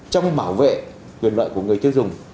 trong bảo vệ quyền loại của người tiêu dùng